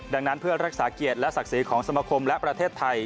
ดังนั้นเพื่อรักษาเกียรติและศักดิ์ศรีของสมคมและประเทศไทย